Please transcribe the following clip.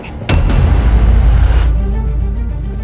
jawab pertanyaan gue